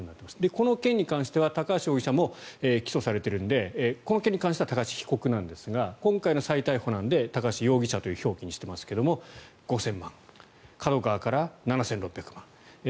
この件に関しては高橋容疑者も起訴されているのでこの件に対しては高橋被告なんですが今回の再逮捕なので高橋容疑者という表記にしていますが５０００万円ＫＡＤＯＫＡＷＡから７６００万大広から１４００万